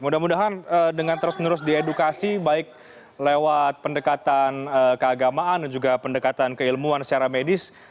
mudah mudahan dengan terus menerus diedukasi baik lewat pendekatan keagamaan dan juga pendekatan keilmuan secara medis